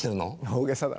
大げさだな。